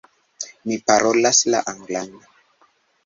Mi parolas la anglan.